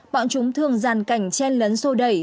bọn chúng thường dàn cảnh chen lấn sô đẩy